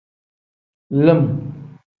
Lim.